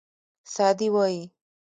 سعدي وایي.